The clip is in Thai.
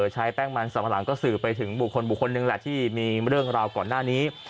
ใช้แป้งมันสัมปะหลังก็สื่อไปถึงบุคคลบุคคลหนึ่งแหละที่มีเรื่องราวก่อนหน้านี้